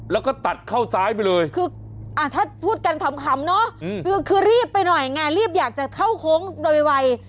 แล้วก็ตัดเข้าซ้ายไปเลยคือถ้าพูดกันขำเนาะคือรีบไปหน่อยไงรีบอยากจะเข้าโค้งโดยไว